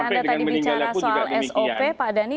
anda tadi bicara soal sop pak dhani